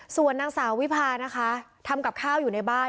ส่วนนางสาววิพานะคะทำกับข้าวอยู่ในบ้าน